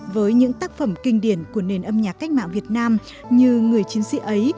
với những tác phẩm kinh điển của nền âm nhạc cách mạng việt nam như người chiến sĩ ấy